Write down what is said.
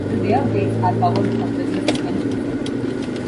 The rear brakes are powered from the rear suspension circuit.